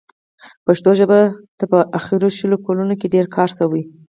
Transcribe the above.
پښتو ژبې ته په اخرو شلو کالونو کې ډېر کار شوی.